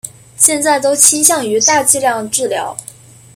现在都倾向于大剂量治疗。